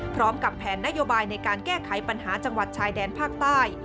พร้อมกับแผนนโยบายในการแก้ไขปัญหาจังหวัดชายแดนภาคใต้